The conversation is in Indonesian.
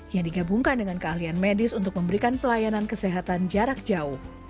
yang digabungkan dengan keahlian medis untuk memberikan pelayanan kesehatan jarak jauh